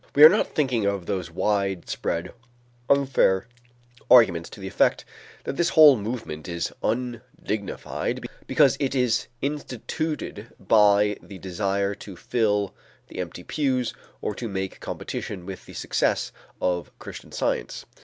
We are not thinking of those widespread, unfair arguments to the effect that this whole movement is undignified because it is instituted by the desire to fill the empty pews or to make competition with the success of Christian Science.